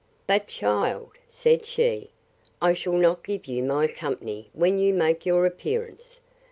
But, child, said she, I shall not give you my company when you make your appearance.